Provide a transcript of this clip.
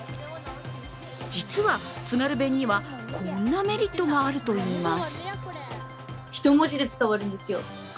実は、津軽弁にはこんなメリットがあるといいます。